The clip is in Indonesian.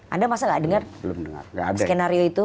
anda masa gak dengar skenario itu